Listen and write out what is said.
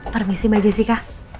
permisi mbak jessica